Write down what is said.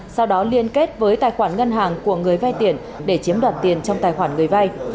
sau đó liên kết với tài khoản ngân hàng của người vay tiền để chiếm đoạt tiền trong tài khoản người vay